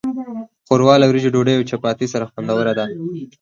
ښوروا له وریژو، ډوډۍ، او چپاتي سره خوندوره ده.